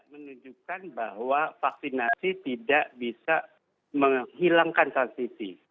menunjukkan bahwa vaksinasi tidak bisa menghilangkan tas visi